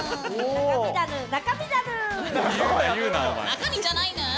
中身じゃないぬん。